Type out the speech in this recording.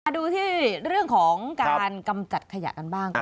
ดูที่เรื่องของการกำจัดขยะกันบ้าง